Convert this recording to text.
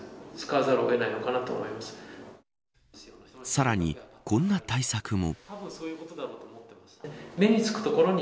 さらにこんな対策も。